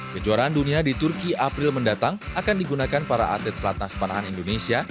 kejuaraan dunia di turki april mendatang akan digunakan para atlet pelatnas panahan indonesia